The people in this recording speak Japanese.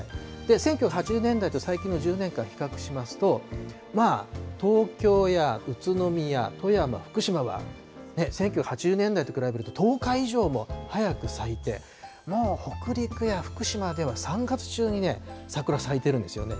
１９８０年代と最近の１０年間比較しますと、まあ、東京や宇都宮、富山、福島は、１９８０年代と比べると１０日以上も早く咲いて、もう北陸や福島では３月中にね、桜咲いてるんですよね。